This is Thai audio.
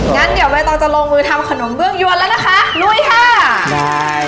งั้นเดี๋ยวใบตองจะลงมือทำขนมเบื้องยวนแล้วนะคะลุยค่ะใช่